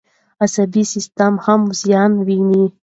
عصبي سیستم هم زیان ویني.